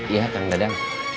iya kang dadang